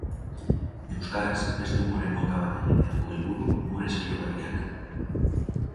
Euskaraz beste umore mota bat egitea du helburu umore saio berriak.